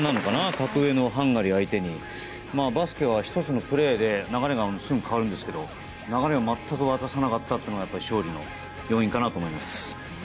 格上のハンガリーを相手にバスケは１つのプレーで流れがすぐに変わるんですが流れを全く渡さなかったのが勝利の要因かなと思います。